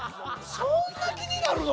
そんな気になるの？